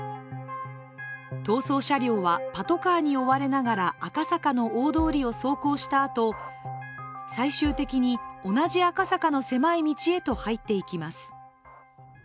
逃走車両は、パトカーに追われながら赤坂の大通りを走行したあと最終的に同じ赤坂の狭い道へと入っていきます